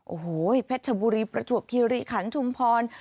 โอ้โฮเพชรบุรีประจวบทีหรือขันชุมพร